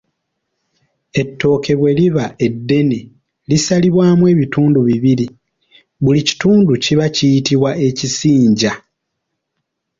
Ettooke bwe liba eddene lisalibwamu ebitundu bibiri; buli kitundu kiba kiyitibwa ekisinja.